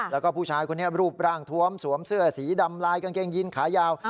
แล้วก็ผู้ชายคนนี้รูปร่างทวมสวมเสื้อสีดำลายกางเกงยินขายาว